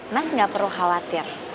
mas nggak perlu khawatir